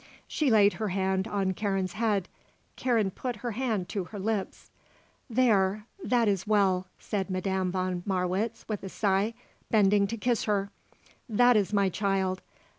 She laid her hand on Karen's head. Karen put her hand to her lips. "There. That is well," said Madame von Marwitz with a sigh, bending to kiss her. "That is my child.